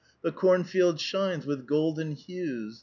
.•• The cornfield shines with golden hues.